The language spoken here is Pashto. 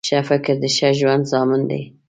ښه فکر د ښه ژوند ضامن دی